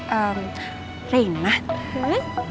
tante fosen yang ke sana